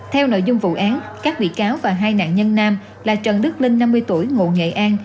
theo nội dung vụ án các bị cáo và hai nạn nhân nam là trần đức linh năm mươi tuổi ngụ nghệ an